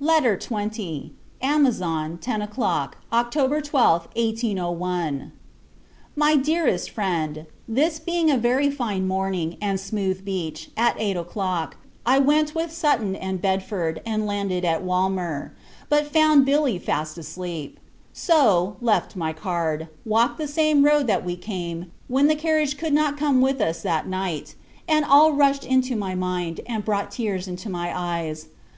LETTER XX. Amazon, Ten o'Clock, October 12, 1801. MY DEAREST FRIEND, This being a very fine morning, and smooth beach, at eight o'clock, I went with Sutton and Bedford, and landed at Walmer; but found Billy fast asleep: so, left my card; walked the same road that we came, when the carriage could not come with us that night; and all rushed into my mind, and brought tears into my eyes.